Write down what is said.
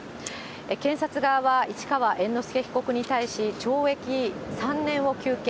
検察側は市川猿之助被告に対し、懲役３年を求刑。